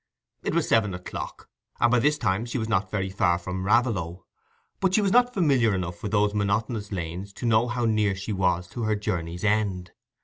It was seven o'clock, and by this time she was not very far from Raveloe, but she was not familiar enough with those monotonous lanes to know how near she was to her journey's end.